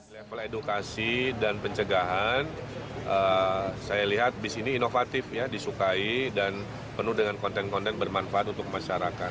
level edukasi dan pencegahan saya lihat bis ini inovatif ya disukai dan penuh dengan konten konten bermanfaat untuk masyarakat